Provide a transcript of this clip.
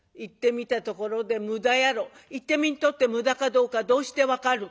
「行ってみんとって無駄かどうかどうして分かる？」。